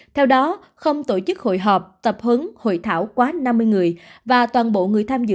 theo đó không tổ chức hội họp tập hứng hội thảo quá năm mươi người và toàn bộ người tham dự